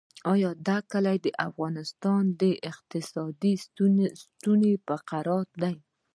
آیا کلي د افغانستان اقتصادي ستون فقرات دي؟